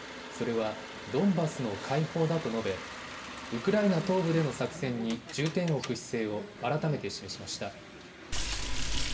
それはドンバスの解放だと述べ、ウクライナ東部での作戦に重点を置く姿勢を改めて示しました。